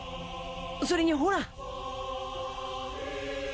それにほら。